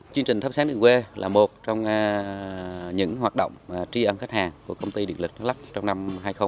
chương trình tháp sáng đường quê là một trong những hoạt động tri ân khách hàng của công ty đại lực đắk lắk trong năm hai nghìn hai mươi